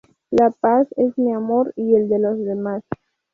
La paz es mi amor y el de los demás.